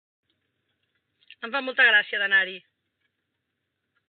Em fa molta gràcia d'anar-hi.